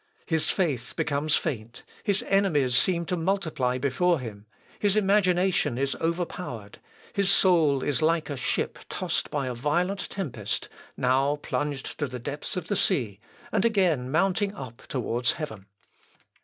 His faith becomes faint; his enemies seem to multiply before him; his imagination is overpowered.... His soul is like a ship tossed by a violent tempest, now plunged to the depths of the sea, and again mounting up towards heaven.